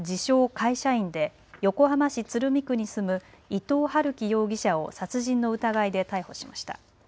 会社員で横浜市鶴見区に住む伊藤龍稀容疑者を殺人の疑いで逮捕しました。